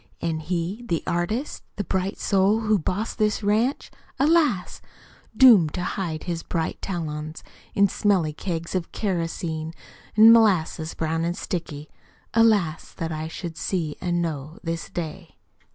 An' he the artist? The bright soul who Bossed this ranch? Alas! Doomed to hide his bright talons In smelly kegs of kerosene An' molasses brown an' sticky. Alas, that I should see an' Know this Day.